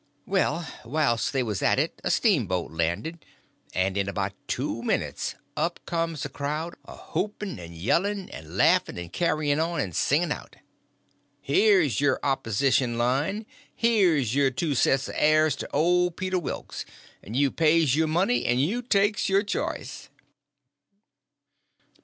Well, whilst they was at it a steamboat landed, and in about two minutes up comes a crowd a whooping and yelling and laughing and carrying on, and singing out: "Here's your opposition line! here's your two sets o' heirs to old Peter Wilks—and you pays your money and you takes your choice!"